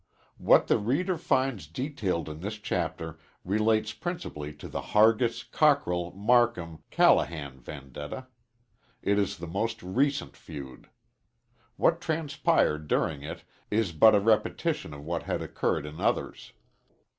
What the reader finds detailed in this chapter relates principally to the Hargis Cockrell Marcum Callahan vendetta. It is the most recent feud. What transpired during it is but a repetition of what had occurred in others.